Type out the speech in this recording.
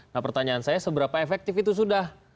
nah pertanyaan saya seberapa efektif itu sudah